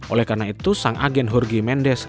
oleh karena itu sang agen jorgi mendes